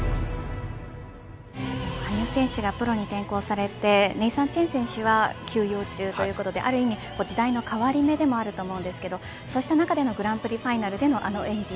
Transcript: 羽生選手がプロに転向されてネイサン・チェン選手は休養中ということである意味、時代の変わり目でもあると思うんですけれどそうした中でのグランプリファイナルでのあの演技。